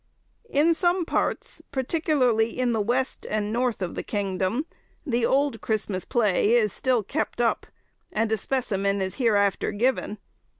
In some parts, particularly in the west and north of the kingdom, the old Christmas play is still kept up, and a specimen is hereafter given.